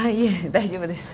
大丈夫です。